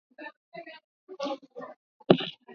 Aliingia rohoni mwangu.